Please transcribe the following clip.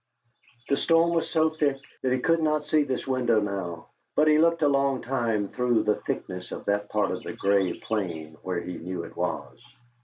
The storm was so thick that he could not see this window now, but he looked a long time through the thickness at that part of the gray plane where he knew it was.